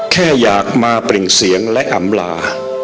แค่อยากมาเปล่งเสียงและอำลา